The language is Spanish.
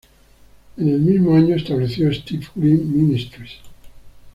En el mismo año, estableció Steve Green Ministries.